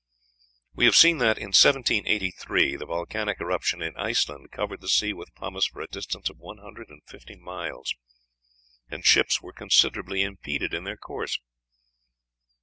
We have seen that, in 1783, the volcanic eruption in Iceland covered the sea with pumice for a distance of one hundred and fifty miles, "and ships were considerably impeded in their course."